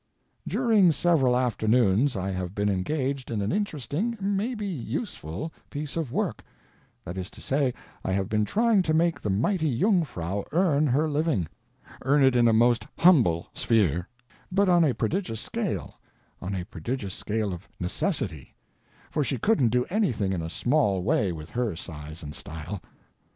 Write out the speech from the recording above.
During several afternoons I have been engaged in an interesting, maybe useful, piece of work—that is to say, I have been trying to make the mighty Jungfrau earn her living—earn it in a most humble sphere, but on a prodigious scale, on a prodigious scale of necessity, for she couldn't do anything in a small way with her size and style.